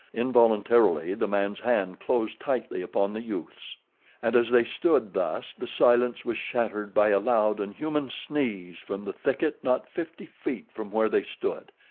Involuntarily the man's hand closed tightly upon the youth's. And as they stood thus the silence was shattered by a loud and human sneeze from the thicket not fifty feet from where they stood.